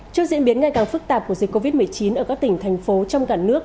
trước diễn biến ngày càng phức tạp của dịch covid một mươi chín ở các tỉnh thành phố trong cả nước